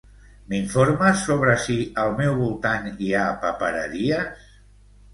M'informes sobre si al meu voltant hi ha papereries?